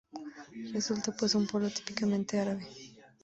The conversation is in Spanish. Resulta pues un pueblo típicamente árabe.